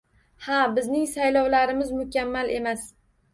Ha, bizning saylovlarimiz mukammal emas